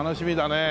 ねえ。